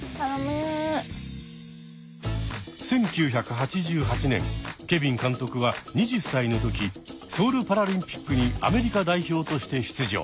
１９８８年ケビン監督は２０歳の時ソウルパラリンピックにアメリカ代表として出場。